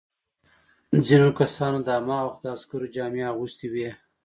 ځینو کسانو د هماغه وخت د عسکرو جامې اغوستي وې.